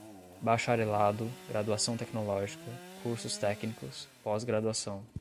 bacharelado, graduação tecnológica, cursos técnicos, pós-graduação